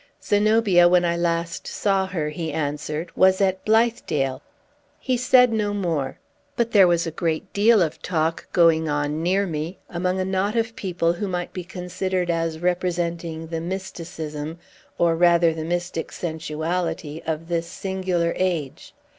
"Zenobia, when I last saw her," he answered, "was at Blithedale." He said no more. But there was a great deal of talk going on near me, among a knot of people who might be considered as representing the mysticism, or rather the mystic sensuality, of this singular age.